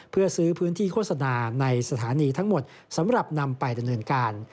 เพื่อซื้อพื้นที่โฆษณาในสถานีทั้งหมดสำหรับนำไปดำเนินการ